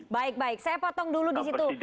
baik baik saya potong dulu di situ